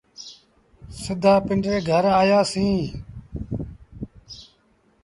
سڌآ پنڊري گھر آيآسيٚݩ۔